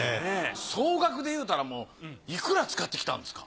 総額で言うたらいくら使ってきたんですか？